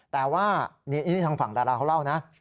แต่ว่านี่ทางฝั่งดาราเขาเล่านะ